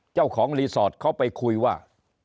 เจ้าของรีสอร์ทเขาไปคุยว่า